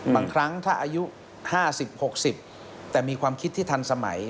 บางครั้งถ้าอายุ๕๐๖๐แต่มีความคิดที่ทันสมัย